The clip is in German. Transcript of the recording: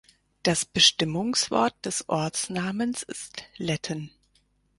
Das Bestimmungswort des Ortsnamens ist Letten.